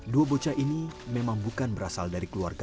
dua bocah ini memang bukan berasal dari keluarga